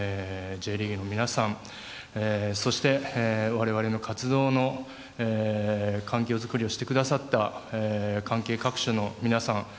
Ｊリーグの皆さんそして、我々の活動の環境作りをしてくださった関係各所の皆さん